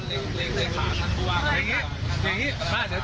เดี๋ยวเต็มเย็นไม่ค่ะไม่ไม่ไม่ค่ะไม่ไม่ฟังไม่ฟัง